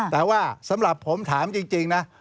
แต่ว่าสำหรับผมถามจริงนะ